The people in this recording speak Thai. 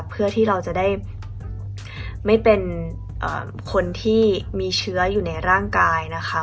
เพื่อที่เราจะได้ไม่เป็นคนที่มีเชื้ออยู่ในร่างกายนะคะ